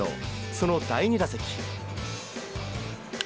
その第２打席。